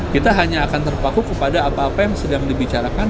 kita hanya akan terpaku kepada apa apa yang sedang dibicarakan